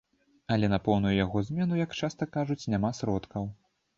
Але на поўную яго замену, як часта кажуць, няма сродкаў.